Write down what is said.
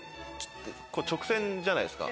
じゃないですか。